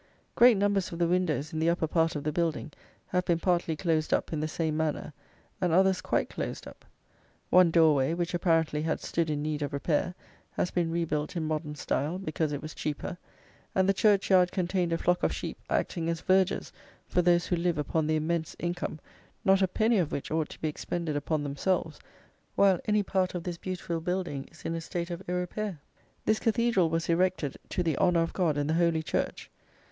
Great numbers of the windows in the upper part of the building have been partly closed up in the same manner, and others quite closed up. One door way, which apparently had stood in need of repair, has been rebuilt in modern style, because it was cheaper; and the churchyard contained a flock of sheep acting as vergers for those who live upon the immense income, not a penny of which ought to be expended upon themselves while any part of this beautiful building is in a state of irrepair. This cathedral was erected "to the honour of God and the Holy Church."